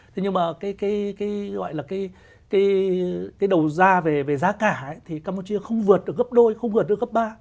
thế nhưng mà cái đầu ra về giá cả thì campuchia không vượt được gấp đôi không vượt được gấp ba